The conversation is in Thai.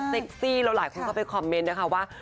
ซี่แล้วหลายคนเข้าไปคอมเมนต์นะคะว่า